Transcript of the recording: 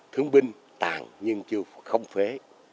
thương binh tàn nhưng chưa không phế